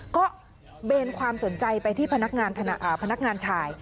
ก็เบนความสนใจไปที่พนักงานชาย